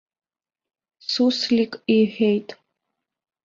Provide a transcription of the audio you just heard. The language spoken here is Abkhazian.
Суслик иҳәеит.